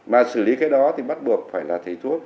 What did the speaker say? mà xử lý cái đó thì bắt buộc phải là thầy thuốc